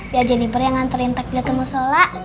biar jenibor yang nganterin takjil kemusola